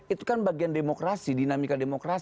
itu kan bagian demokrasi dinamika demokrasi